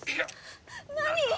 何！？